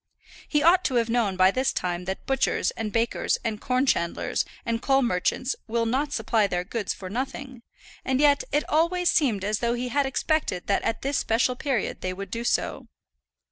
He ought to have known by this time that butchers, and bakers, and corn chandlers, and coal merchants will not supply their goods for nothing; and yet it always seemed as though he had expected that at this special period they would do so.